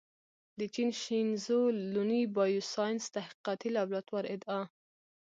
د چین شینزو لونوي بایوساینس تحقیقاتي لابراتوار ادعا